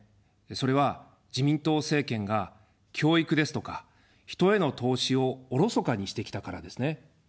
それは自民党政権が教育ですとか、人への投資をおろそかにしてきたからですね。